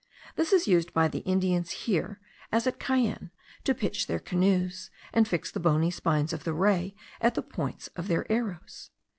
This is used by the Indians here, as at Cayenne, to pitch their canoes, and fix the bony spines of the ray at the points of their arrows.